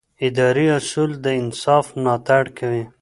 اداري اصول د انصاف ملاتړ کوي.